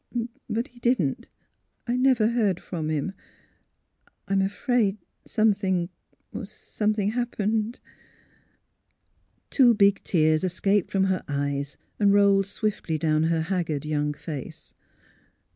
But he didn't — I never heard from him. I'm afraid some thing — something happened '' 236 THE HEART OF PHILURA Two big tears escaped from lier eyes and rolled swiftly down her haggard young face.